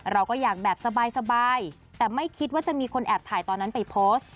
เราก็อยากแบบสบายแต่ไม่คิดว่าจะมีคนแอบถ่ายตอนนั้นไปโพสต์